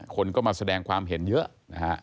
คนก็มาแสดงความเห็นเยอะนะฮะ